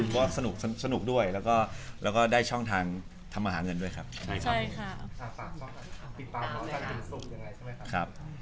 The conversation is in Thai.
ก็สนุกด้วยแล้วก็ได้ช่องทางทำมาหาเงินด้วยครับ